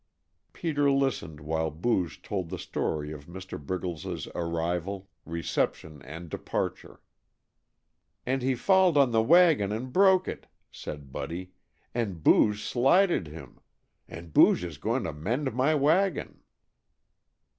Peter listened while Booge told the story of Mr. Briggles's arrival, reception and departure. "And he failed on the wagon and broke it," said Buddy, "and Booge slided him. And Booge is going to mend my wagon."